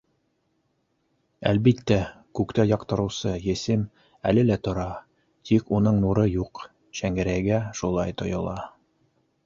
Әлбиттә, күктә яҡтыртыусы есем әле лә тора, тик уның нуры юҡ - Шәңгәрәйгә шулай тойола.